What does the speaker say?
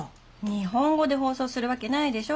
日本語で放送するわけないでしょ。